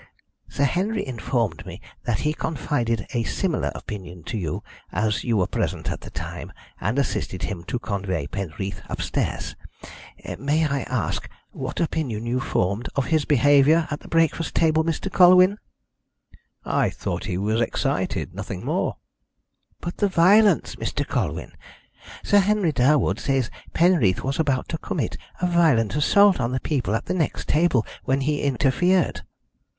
Sir Henry informed me that he confided a similar opinion to you, as you were present at the time, and assisted him to convey Penreath upstairs. May I ask what opinion you formed of his behaviour at the breakfast table, Mr. Colwyn?" "I thought he was excited nothing more." "But the violence, Mr. Colwyn! Sir Henry Durwood says Penreath was about to commit a violent assault on the people at the next table when he interfered."